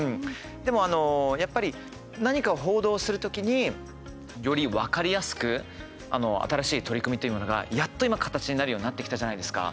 でも、あのやっぱり何かを報道する時により分かりやすく新しい取り組みというものがやっと今、形になるようになってきたじゃないですか。